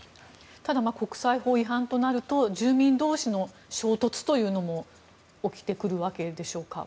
ただ国際法違反となると住民同士の衝突というのも起きてくるわけでしょうか。